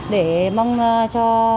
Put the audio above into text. để mong cho